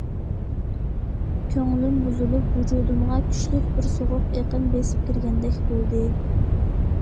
كۆڭلۈم بۇزۇلۇپ، ۋۇجۇدۇمغا كۈچلۈك بىر سوغۇق ئېقىم بېسىپ كىرگەندەك بولدى.